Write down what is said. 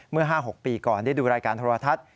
เมื่อ๕๖ปีก่อนได้ดูรายการโทรทัศน์